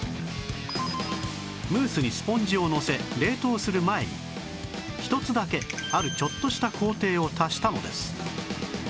ムースにスポンジをのせ冷凍する前に１つだけあるちょっとした工程を足したのです